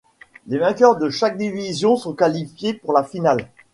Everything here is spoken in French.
Les vainqueurs de chaque division sont qualifiés pour la finale.